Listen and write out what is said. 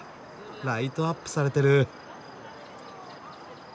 ライトアップされてる。